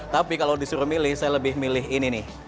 tapi kalau disuruh milih saya lebih milih ini nih